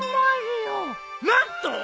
何と！